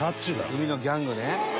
「海のギャングね！」